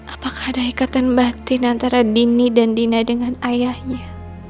apakah ada ikatan batin antara dini dan dina dengan ayahnya